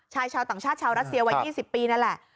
ชายชาวต่างชาติชาวรัสเซียวัย๒๐ปีนั่นแหละ